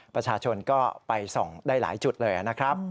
ประชาชนก็ไปส่องได้หลายจุดเลยนะครับ